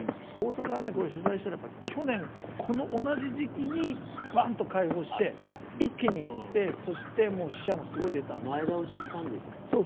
大阪は取材したら去年同じ時期にばんと開放して一気にいってそして死者もすごい出たんですよ。